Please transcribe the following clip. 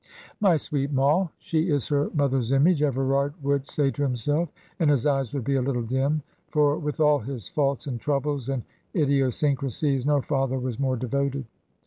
"My sweet Moll, she is her mother's image," Everard would say to himself, and his eyes would be a little dim; for, with all his faults and troubles and idiosyncrasies, no father was more devoted.